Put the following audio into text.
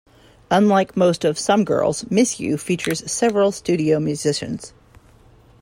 Unlike most of "Some Girls", "Miss You" features several studio musicians.